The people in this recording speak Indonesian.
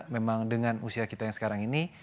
memang dengan usia kita yang sekarang ini